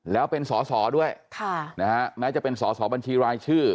แล้วเป็นสอสอด้วยแม้จะเป็นสอสอบัญชีรายชื่อ